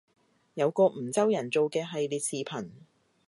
有個梧州人做嘅系列視頻